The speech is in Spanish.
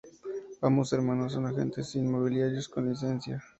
Ambos hermanos son agentes inmobiliarios con licencia.